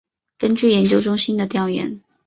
根据研究中心的调研